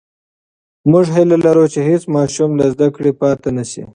موږ هیله لرو چې هېڅ ماشوم له زده کړې پاتې نسي.